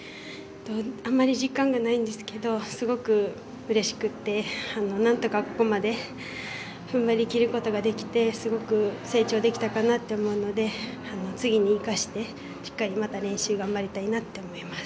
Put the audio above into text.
あまり実感がないんですけどすごくうれしくてなんとかここまで踏ん張り切ることができてすごく成長できたかなと思うので次に生かしてしっかりまた練習を頑張れたらいいなと思います。